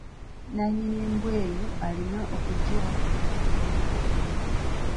Nannyini mbwa eyo alina okugiwa emmere.